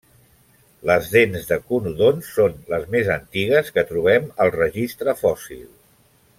Les dents de conodonts són les més antigues que trobem al registre fòssil.